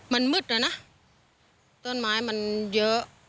มันมืดอะนะต้นไม้มันเยอะ